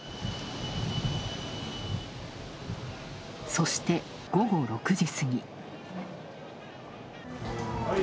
そして、午後６時過ぎ。